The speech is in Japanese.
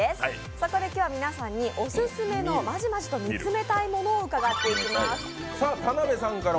そこで今日は皆さんにオススメのまじまじと見つめたいものを伺っていきます。